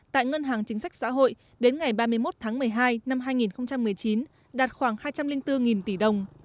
tại ngân hàng chính sách xã hội đến ngày ba mươi một tháng một mươi hai năm hai nghìn một mươi chín đạt khoảng hai trăm linh bốn tỷ đồng